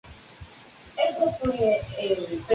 Iba a ser el penúltimo episodio de la serie.